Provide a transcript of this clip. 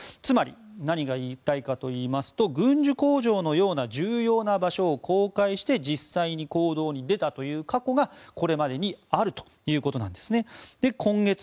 つまり何が言いたいかといいますと軍需工場のような重要な場所を公開して実際に行動に出たという過去がこれまでにあるということなんですね。